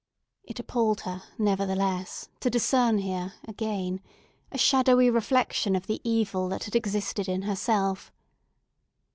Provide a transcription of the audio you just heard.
It appalled her, nevertheless, to discern here, again, a shadowy reflection of the evil that had existed in herself.